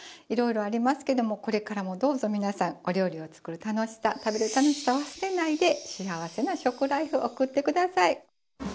いろいろありますけどもこれからもどうぞ皆さんお料理を作る楽しさ食べる楽しさを忘れないで幸せな食ライフ送ってください。